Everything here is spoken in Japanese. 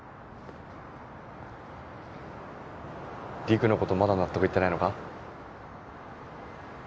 りくの事まだ納得いってないのか？